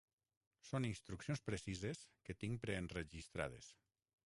Són instruccions precises que tinc preenregistrades.